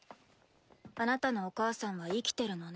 あなたのお母さんは生きてるのね。